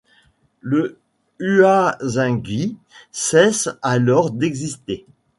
Le Huaxinghui cesse alors d'exister.